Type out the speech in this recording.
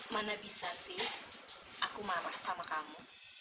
mana bisa sih aku marah sama kamu